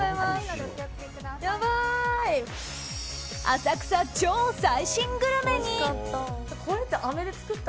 浅草超最新グルメに。